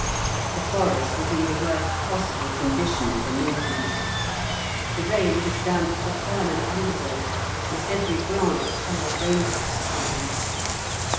The forest was in the worst possible condition for movement; the rain had damped the fern and undergrowth, and every branch showered raindrops upon him.